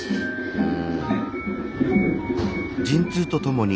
うん。